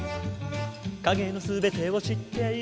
「影の全てを知っている」